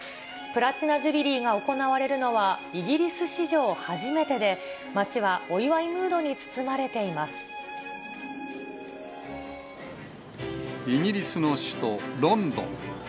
プラチナ・ジュビリーが行われるのは、イギリス史上初めてで、街はお祝いムードに包まれていまイギリスの首都ロンドン。